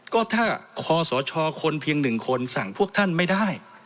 ก็ถ้าคอสชคนเพียง๑คนสั่งพวกท่านไม่ได้